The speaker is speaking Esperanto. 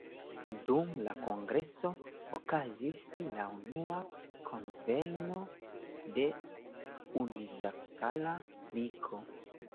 Dum la kongreso okazis la unua kunveno de "Universala Ligo".